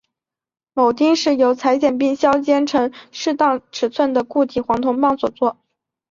铆钉是由裁切并削尖成适当尺寸的固体黄铜棒所做。